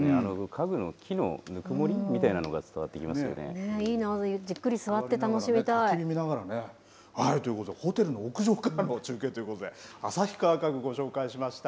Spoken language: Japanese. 家具の木のぬくもりみたいのが伝いいな、じっくり座って楽したき火見ながらね、ということで、ホテルの屋上からの中継ということで、旭川家具ご紹介しました。